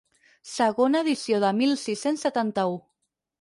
Segona edició de mil sis-cents setanta-u.